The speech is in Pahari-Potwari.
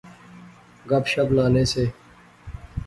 گپ شپ لانے سے